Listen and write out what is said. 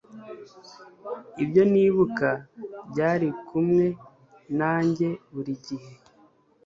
ibyo nibuka byari kumwe nanjye buri gihe